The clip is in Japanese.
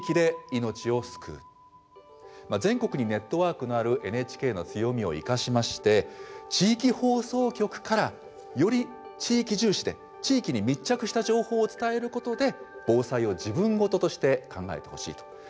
全国にネットワークのあるＮＨＫの強みを生かしまして地域放送局からより地域重視で地域に密着した情報を伝えることで防災を自分ごととして考えてほしいと。